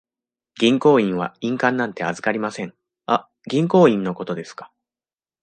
銀行員は印鑑なんて預かりません。あ、銀行印のことですか。